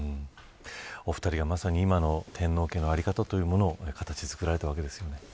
お二人がまさに今の天皇家の在り方を形作られたわけですよね。